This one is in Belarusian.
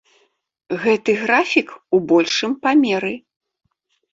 Гэты графік у большым памеры.